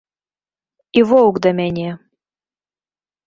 І воўк да мяне.